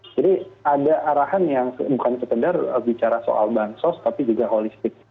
jadi ada arahan yang bukan sekedar bicara soal bank sos tapi juga holistik